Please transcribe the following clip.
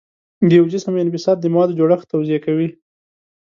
د یو جسم انبساط د موادو جوړښت توضیح کوي.